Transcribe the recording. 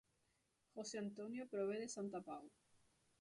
José Antonio prové de Santa Pau